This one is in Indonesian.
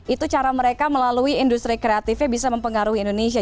itu cara mereka melalui industri kreatifnya bisa mempengaruhi indonesia